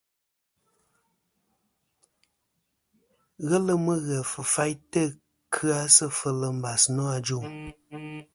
Ghelɨ Mughef fayntɨ kɨ-a sɨ fel mbas nô ajuŋ.